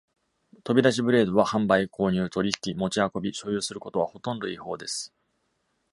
飛び出しブレードは、販売、購入、取引、持ち運び、所有することはほとんど違法です。